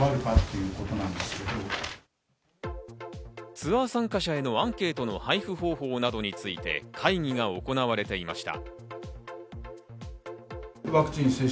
ツアー参加者へのアンケートの配布方法などについて会議が行われていました。